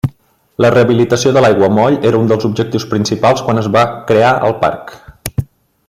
La rehabilitació de l'aiguamoll era un dels objectius principals quan es va crear el parc.